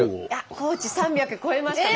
高知３００超えましたね。